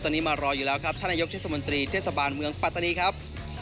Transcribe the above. ตอนนี้มารออยู่แล้วครับท่านนายกเทศมนตรีเทศบาลเมืองปัตตานีครับ